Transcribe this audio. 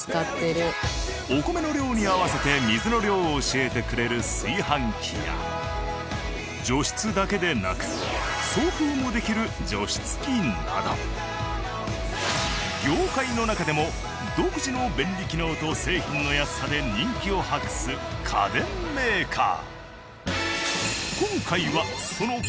お米の量に合わせて水の量を教えてくれる炊飯器や除湿だけでなく業界の中でも独自の便利機能と製品の安さで人気を博す家電メーカー。